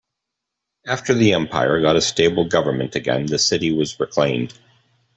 After the empire got a stable government again, the city was reclaimed.